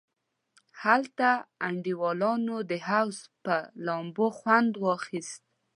هلته انډیوالانو د حوض پر لامبو خوند واخیست.